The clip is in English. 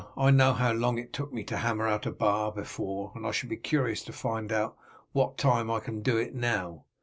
I know how long it took me to hammer out a bar before, and I shall be curious to find out in what time I can do it now."